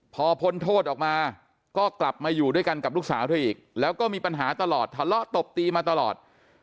พอพ้นโทษออกมาก็กลับมาอยู่ด้วยกันกับลูกสาวเธออีกแล้วก็มีปัญหาตลอดทะเลาะตบตีมาตลอด